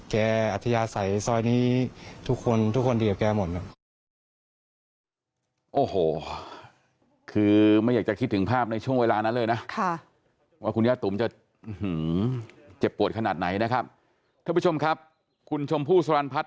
แกอธยาศัยซอยนี้ทุกคนดีกับแกหมด